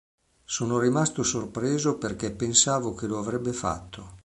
Sono rimasto sorpreso perché pensavo che lo avrebbe fatto.